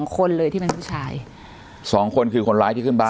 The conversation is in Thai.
คนเลยที่เป็นผู้ชาย๒คนคือคนร้ายที่ขึ้นบ้าน